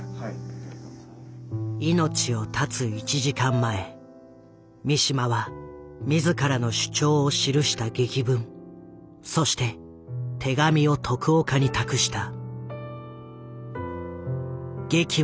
命を絶つ１時間前三島は自らの主張を記した檄文そして手紙を徳岡に託した。